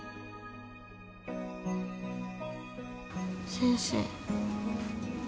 先生。